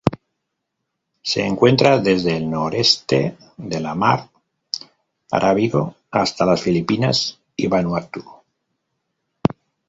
Se encuentra desde el noreste de la Mar Arábigo hasta las Filipinas y Vanuatu.